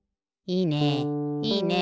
いいね！